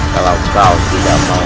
kalau kau tidak mau